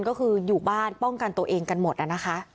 ก็คืออยู่บ้านป้องกันตัวเองกันหมดนะคะ